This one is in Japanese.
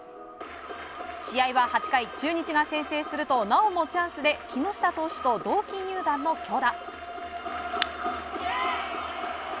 試合は８回、中日が先制するとなおもチャンスで木下投手と同期入団の京田。